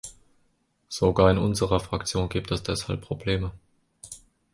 Sogar in unserer Fraktion gibt es deshalb Probleme.